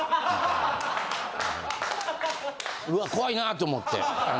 うわ怖いなと思って。